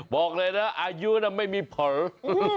บอกเลยนะอายุน่ะไม่มีผล